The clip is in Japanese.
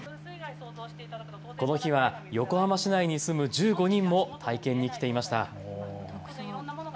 この日は横浜市内に住む１５人も体験に来ていました。